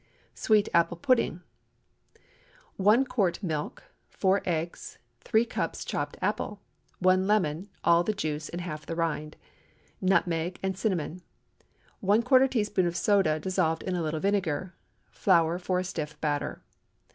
SWEET APPLE PUDDING. ✠ 1 quart milk. 4 eggs. 3 cups chopped apple. 1 lemon—all the juice and half the rind. Nutmeg and cinnamon. ¼ teaspoonful of soda dissolved in a little vinegar. Flour for a stiff batter.